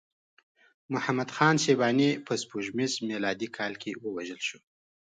محمد خان شیباني په سپوږمیز میلادي کال کې ووژل شو.